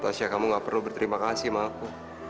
kamu gak perlu berterima kasih sama aku